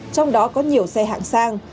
trong đó có nhiều xe hạng sang